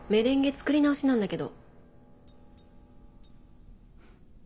作り直しなんだけど。